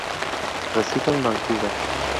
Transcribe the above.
Reside en Vancouver.